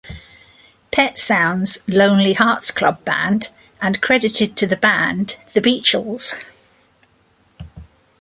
Petsound's Lonely Hearts Club Band and credited to the band The Beachles.